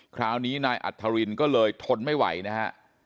คราวนี้นายอัธรินก็เลยทนไม่ไหวนะฮะ